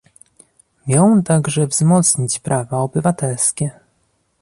Miał on także wzmocnić prawa obywatelskie